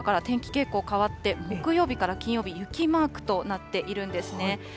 週の半ばから天気傾向変わって、木曜日から金曜日、雪マークとなっているんですね。